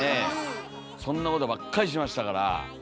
そんなことばっかりしましたから。